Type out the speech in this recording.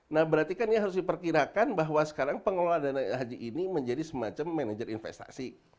nah berarti kan ini harus diperkirakan bahwa sekarang pengelola dana haji ini menjadi semacam manajer investasi